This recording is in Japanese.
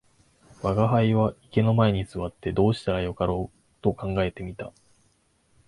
吾輩は池の前に坐ってどうしたらよかろうと考えて見た